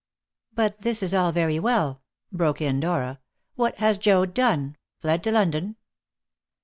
"But this is all very well," broke in Dora. "What has Joad done fled to London?"